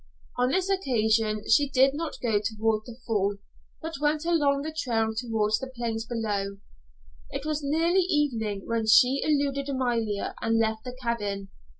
On this occasion she did not go toward the fall, but went along the trail toward the plains below. It was nearly evening when she eluded Amalia and left the cabin.